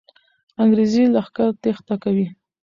انګریزي لښکر تېښته کوي.